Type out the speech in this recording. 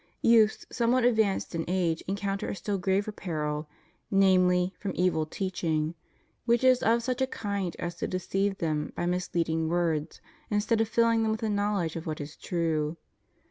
Youths somewhat advanced in age encounter a still graver peril, namely, from evil teaching; which is of such a kind as to deceive them by misleading words, instead of filling them with a knowledge of what is true.